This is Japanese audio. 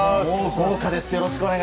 豪華です！